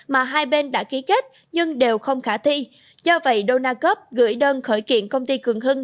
mà hai bên đã ký kết nhưng đều không khả thi do vậy đô na cóc gửi đơn khởi kiện công ty cường hưng